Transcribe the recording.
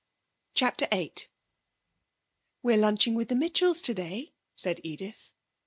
CHAPTER VIII 'We're lunching with the Mitchells today,' said Edith.